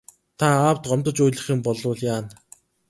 Та аавд гомдож уйлах юм болбол яана.